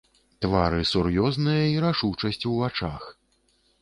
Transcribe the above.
Твары сур'ёзныя, і рашучасць у вачах.